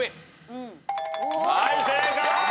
はい正解！